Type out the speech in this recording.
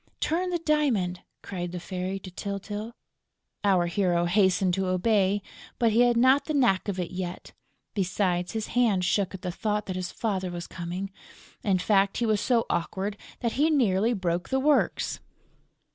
"Turn the diamond!" cried the Fairy to Tyltyl. Our hero hastened to obey, but he had not the knack of it yet; besides, his hand shook at the thought that his father was coming. In fact, he was so awkward that he nearly broke the works.